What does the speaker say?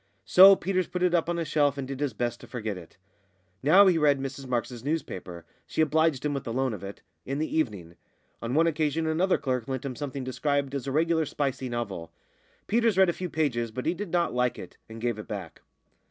So Peters put it up on a shelf and did his best to forget it. Now he read Mrs Marks's newspaper (she obliged him with the loan of it) in the evening. On one occasion another clerk lent him something described as a regular spicy novel. Peters read a few pages, but he did not like it, and gave it back.